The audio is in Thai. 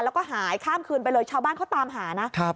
แล้วก็หายข้ามคืนไปเลยชาวบ้านเขาตามหานะ